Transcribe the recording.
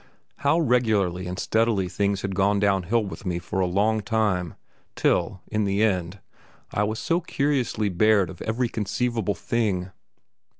How regularly and steadily things had gone downhill with me for a long time, till, in the end, I was so curiously bared of every conceivable thing.